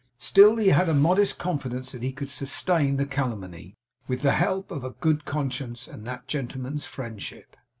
Still he had a modest confidence that he could sustain the calumny, with the help of a good conscience, and that gentleman's friendship.